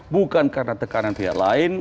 bukan karena tekanan pihak lain